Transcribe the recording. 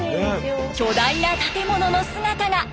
巨大な建物の姿が。